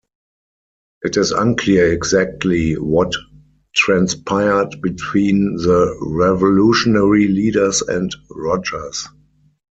It is unclear exactly what transpired between the revolutionary leaders and Rogers.